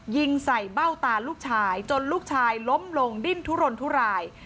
ยิงใส่เบ้าตาลูกชายจนลูกชายล้มลงดิ้นทุรนทุราย